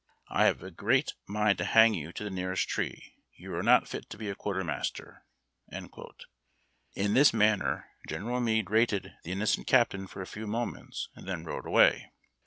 " I have a great mind to hang you to the nearest tree. You are not fit to be a. quartermaster." In this manner General Meade rated the innocent captain for a few inoments, and then rode away.